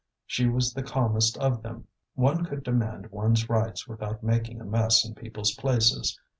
She was the calmest of them; one could demand one's rights without making a mess in people's places.